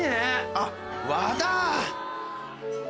あっ和だ。